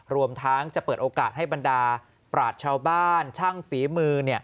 รวมทั้งจะเปิดโอกาสให้บรรดาปราชชาวบ้านช่างฝีมือ